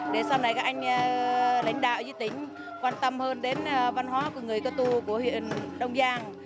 để sau này các anh lãnh đạo với tỉnh quan tâm hơn đến văn hóa của người cơ tu của huyện đông giang